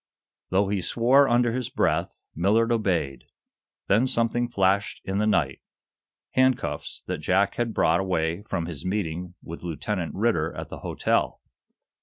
Though he swore, under his breath, Millard obeyed. Then something flashed in the night handcuffs that Jack had brought away from his meeting with Lieutenant Ridder at the hotel.